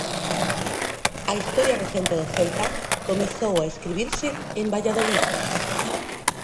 A historia recente do Celta comezou a escribirse en Valladolid.